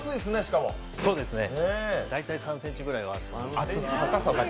大体３ｃｍくらいはあります。